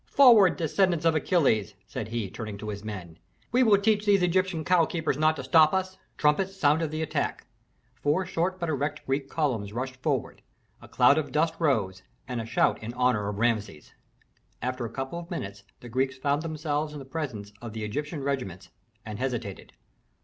"Forward, descendants of Achilles!" said he, turning to his men. "We will teach those Egyptian cowkeepers not to stop us!" Trumpets sounded the attack. Four short but erect Greek columns rushed forward, a cloud of dust rose, and a shout in honor of Rameses. After a couple of minutes the Greeks found themselves in the presence of the Egyptian regiments, and hesitated.